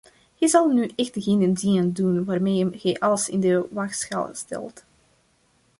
Hij zal nu echt geen dingen doen waarmee hij alles in de waagschaal stelt.